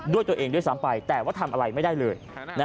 ด้วยตัวเองด้วยซ้ำไปแต่ว่าทำอะไรไม่ได้เลย